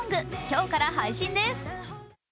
今日から配信です。